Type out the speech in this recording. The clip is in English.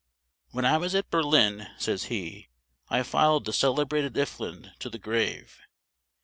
"When I was at Berlin," says he, "I followed the celebrated Iffland to the grave.